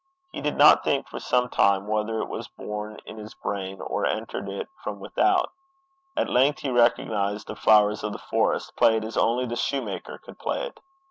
He did not think for some time whether it was born in his brain, or entered it from without. At length he recognized the Flowers of the Forest, played as only the soutar could play it.